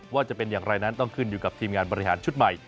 ว่าจะเป็นอย่างไรนั้นต้องขึ้นอยู่กับทีมงานบริหารชุดใหม่